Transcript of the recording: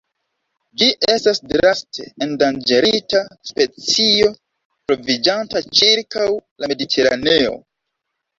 Ĝi estas draste endanĝerita specio troviĝanta ĉirkaŭ la Mediteraneo.